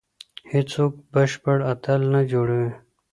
هیڅوک بشپړ اتل نه جوړوي.